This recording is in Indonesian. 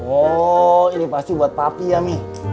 oh ini pasti buat papi ya nih